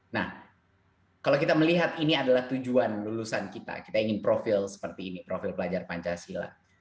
nah kalau kita melihat ini adalah tujuan lulusan kita kita ingin profil seperti ini profil pelajar pancasila